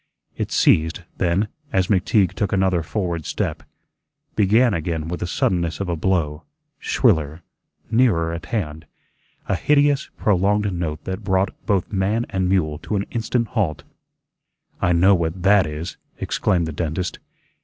It ceased; then, as McTeague took another forward step, began again with the suddenness of a blow, shriller, nearer at hand, a hideous, prolonged note that brought both man and mule to an instant halt. "I know what THAT is," exclaimed the dentist.